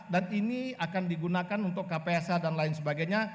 dan ini akan digunakan untuk kpsa dan lain sebagainya